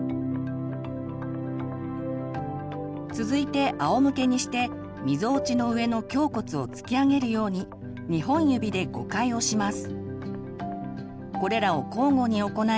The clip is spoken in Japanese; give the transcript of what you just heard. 続いてあおむけにしてみぞおちの上の胸骨を突き上げるように二本指で５回押します。